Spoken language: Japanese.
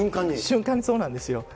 瞬間にそうなんですよ。